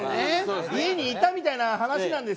家にいたみたいな話も。